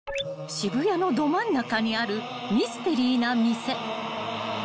［渋谷のど真ん中にあるミステリーな店］